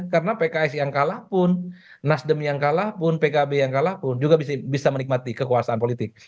karena pks yang kalah pun nasdem yang kalah pun pkb yang kalah pun juga bisa menikmati kekuasaan politik